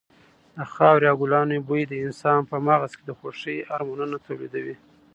د خاورې او ګلانو بوی د انسان په مغز کې د خوښۍ هارمونونه تولیدوي.